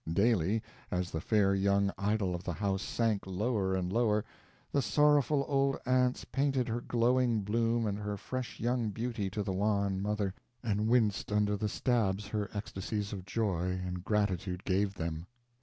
Daily, as the fair young idol of the house sank lower and lower, the sorrowful old aunts painted her glowing bloom and her fresh young beauty to the wan mother, and winced under the stabs her ecstasies of joy and gratitude gave them.